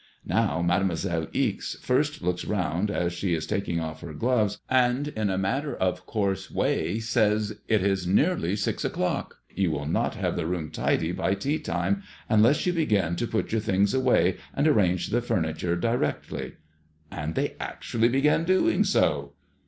Now Mademoiselle Ixe first looks round as she is taking off her gloves, and, in a matter of course way, says, * It is nearly six o'clock. You will not have the room tidy by tea l8 MADBMOISBLLB IXS. time unless you begin to put your things away and arrange the furniture directly.* And they actually began doing so."